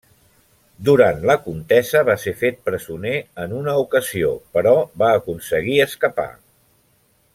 Durant la contesa va ser fet presoner en una ocasió però va aconseguir escapar.